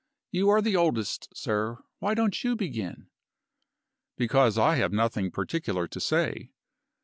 You are the oldest, sir. Why don't you begin?" "Because I have nothing particular to say."